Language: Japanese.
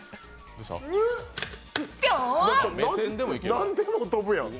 何でも飛ぶやん。